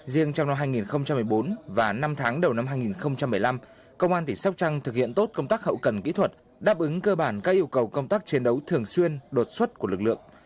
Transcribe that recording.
riêng trong năm hai nghìn một mươi bốn và năm tháng đầu năm hai nghìn một mươi năm công an tỉnh sóc trăng thực hiện tốt công tác hậu cần kỹ thuật đáp ứng cơ bản các yêu cầu công tác chiến đấu thường xuyên đột xuất của lực lượng